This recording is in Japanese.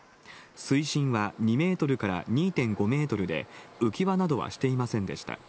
水深は２メートルから２．５メートルで、浮き輪などはしていませんでした。